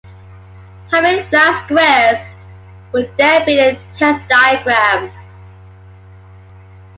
How many black squares will there be in the tenth diagram?